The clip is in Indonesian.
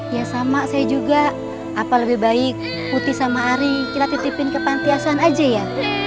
ya sama saya juga apa lebih baik putih sama ari kita titipin ke pantiasan aja ya